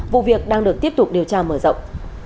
vụ việc đang được tiếp tục điều tra mở rộng